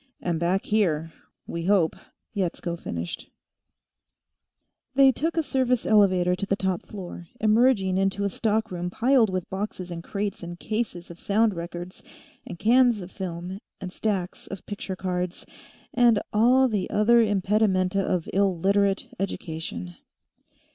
"And back here. We hope," Yetsko finished. They took a service elevator to the top floor, emerging into a stockroom piled with boxes and crates and cases of sound records and cans of film and stacks of picture cards, and all the other impedimenta of Illiterate education.